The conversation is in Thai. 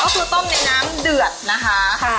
ก็คือต้มในน้ำเดือดนะคะ